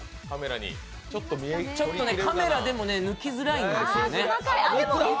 ちょっとカメラでも抜きづらいんですよね。